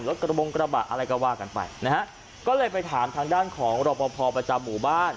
กระบงกระบะอะไรก็ว่ากันไปนะฮะก็เลยไปถามทางด้านของรอปภประจำหมู่บ้าน